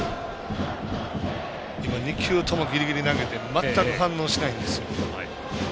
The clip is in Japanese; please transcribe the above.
２球ともギリギリ投げて全く反応しないんですよ。